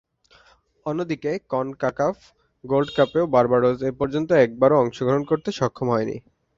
অন্যদিকে, CONCACAF gold কাপেও Barbados এপর্যন্ত একবারও অংশগ্রহণ করতে সক্ষম হয়নি।